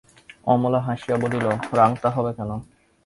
অমলা হাসিয়া বলিল, রাংতা হবে কেন?